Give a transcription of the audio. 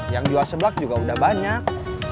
yang jual seblak juga udah banyak